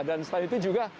dan setelah itu juga